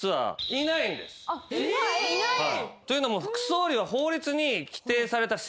いない！？というのも。